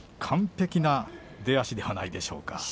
完璧な出足ではないでしょうか。